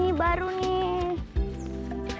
itu tuh tuh tuh